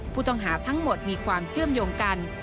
ผู้ต้องหาทั้งหมดมีความเชื่อมโยงกัน